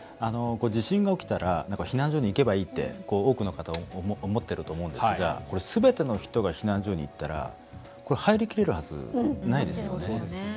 地震が起きたら避難所に行けばいいって多くの方思ってると思うんですがすべての人が避難所に行ったら入りきれるはずないですよね。